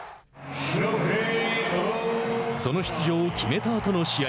その出場を決めたあとの試合。